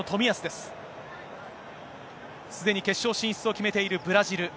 すでに決勝進出を決めているブラジル。